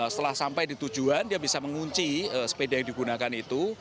setelah sampai di tujuan dia bisa mengunci sepeda yang digunakan itu